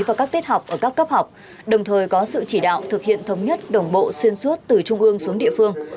vào các tiết học ở các cấp học đồng thời có sự chỉ đạo thực hiện thống nhất đồng bộ xuyên suốt từ trung ương xuống địa phương